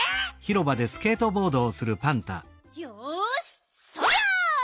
よしそりゃ！